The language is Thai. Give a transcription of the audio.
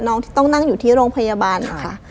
น้องที่ต้องนั่งอยู่ที่โรงพยาบาลนะคะ